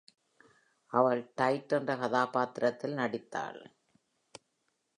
அவள் டைட் என்ற கதாபாத்திரத்தில் நடித்தாள்.